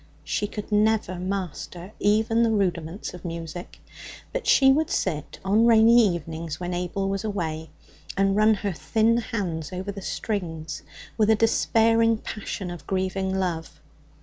She could never master even the rudiments of music, but she would sit on rainy evenings when Abel was away and run her thin hands over the strings with a despairing passion of grieving love.